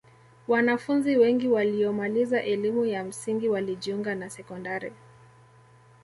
wanafunzi wengi waliyomaliza elimu ya msingi walijiunga na sekondari